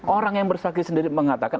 orang yang bersakih sendiri mengatakan